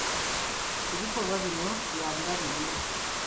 Ebikolwa bino bya bulabe nnyo.